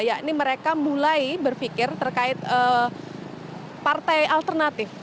yakni mereka mulai berpikir terkait partai alternatif